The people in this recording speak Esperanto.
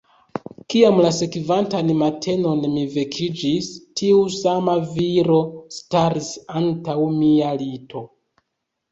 Kiam la sekvantan matenon mi vekiĝis, tiu sama viro staris antaŭ mia lito.